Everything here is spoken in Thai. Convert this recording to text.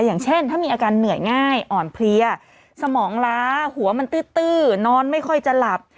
อย่างเช่นถ้ามีอาการเหนื่อยง่ายอ่อนเพลียสมองล้าหัวมันตื้อนอนไม่ค่อยจะหลับ